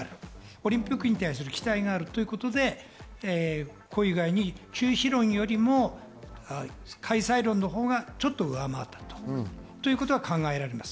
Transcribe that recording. オリンピックに対する期待があるということで、中止論よりも開催論のほうがちょっと上回ったということが考えられます。